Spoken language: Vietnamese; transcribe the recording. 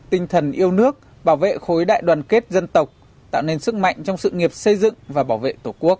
tinh thần yêu nước bảo vệ khối đại đoàn kết dân tộc tạo nên sức mạnh trong sự nghiệp xây dựng và bảo vệ tổ quốc